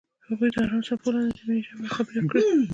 هغوی د آرام څپو لاندې د مینې ژورې خبرې وکړې.